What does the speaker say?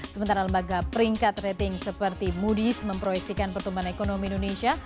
sementara lembaga peringkat rating seperti moody's memproyeksikan pertumbuhan ekonomi indonesia